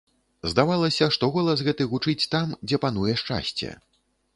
Здавалася, што голас гэты гучыць там, дзе пануе шчасце.